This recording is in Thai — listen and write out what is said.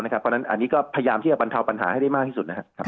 เพราะฉะนั้นอันนี้ก็พยายามที่จะบรรเทาปัญหาให้ได้มากที่สุดนะครับ